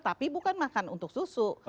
tapi bukan makan untuk susu